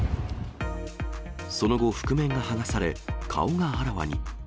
その後、覆面が剥がされ、顔があらわに。